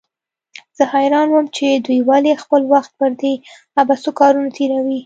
زه حيران وم چې دوى ولې خپل وخت پر دې عبثو کارونو تېروي.